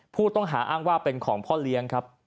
ผู้ต้องหาอ้างว่าเป็นของพ่อเลี้ยงครับ